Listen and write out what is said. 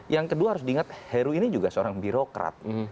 yang kedua harus diingat heru ini juga seorang birokrat